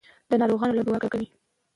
د ناروغانو لپاره دعا کوئ.